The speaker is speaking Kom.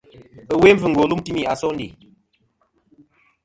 Ɨwe mbvɨngo lum timi a sondè.